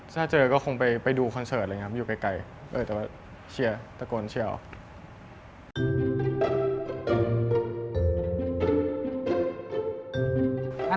ถ้าเจอก็คงไปดูคอนเสิร์ตอะไรอย่างนี้ครับอยู่ไกลแต่ว่าเชียร์ตะโกนเชียร์ออก